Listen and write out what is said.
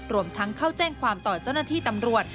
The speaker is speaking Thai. รวมทั้งเข้าแจ้งความต่อเจ้าหน้าที่ตำรวจ